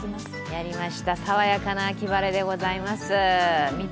やりました、爽やかな秋晴れでございます。